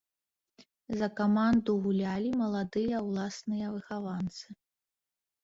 За каманду гулялі маладыя ўласныя выхаванцы.